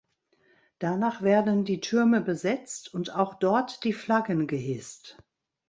Danach werden die Türme besetzt und auch dort die Flaggen gehisst.